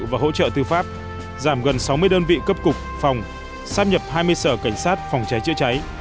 và hỗ trợ tư pháp giảm gần sáu mươi đơn vị cấp cục phòng sát nhập hai mươi sở cảnh sát phòng cháy chữa cháy